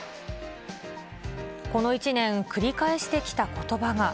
この１年、繰り返してきたことばが。